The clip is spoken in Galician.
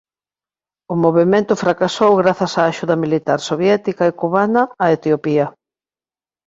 O movemento fracasou grazas á axuda militar soviética e cubana a Etiopía.